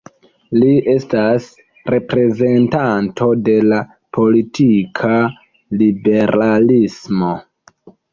Li estas reprezentanto de la politika liberalismo.